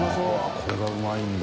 これがうまいんだ。